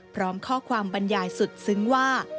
พร้อมข้อความบรรยายสุดซึ้งว่า